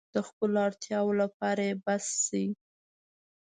د خپلو اړتیاوو لپاره يې بس شي.